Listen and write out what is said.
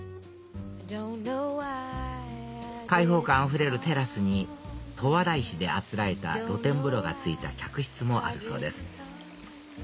開放感あふれるテラスに十和田石であつらえた露天風呂が付いた客室もあるそうです